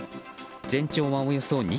全長は、およそ２ｋｍ。